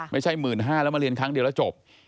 ไม่ใช่๑๕๐๐แล้วมาเรียนครั้งเดียวแล้วจบ